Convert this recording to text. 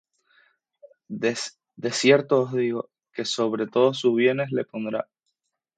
De cierto os digo, que sobre todos sus bienes le pondrá.